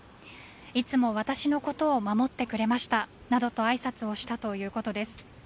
いつも私のことを守ってくれましたなどとあいさつをしたということです。